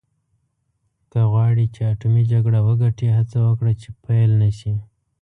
که غواړې چې اټومي جګړه وګټې هڅه وکړه چې پیل نه شي.